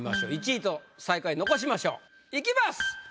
１位と最下位残しましょう。いきます。